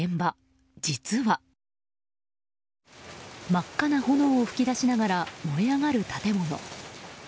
真っ赤な炎を噴き出しながら燃え上がる建物。